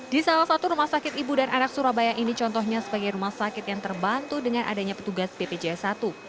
di salah satu rumah sakit ibu dan anak surabaya ini contohnya sebagai rumah sakit yang terbantu dengan adanya petugas bpjs satu